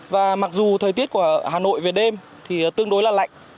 và mặc dù thời tiết của hà nội về đêm thì tương đối là lạnh